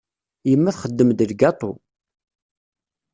Yemma txeddem-d lgaṭu.